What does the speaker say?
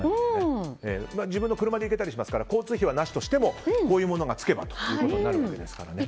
自分の車で行けたりしますから交通費はなしとしてもこういうものがつけばということですね。